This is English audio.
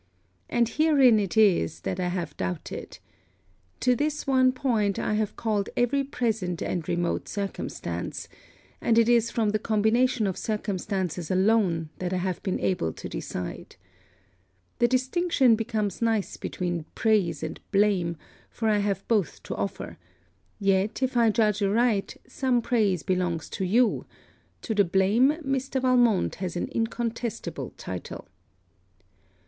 And herein it is that I have doubted. To this one point have I called every present and remote circumstance; and it is from the combination of circumstances alone that I have been able to decide. The distinction becomes nice between praise and blame, for I have both to offer: yet, if I judge aright, some praise belongs to you to the blame Mr. Valmont has an incontestible title.